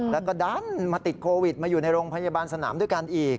แล้วก็ดันมาติดโควิดมาอยู่ในโรงพยาบาลสนามด้วยกันอีก